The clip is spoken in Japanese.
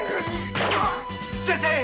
先生！